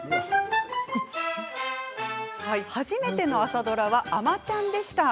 初めての朝ドラは「あまちゃん」でした。